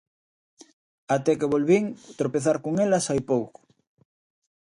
Até que volvín tropezar con elas hai pouco.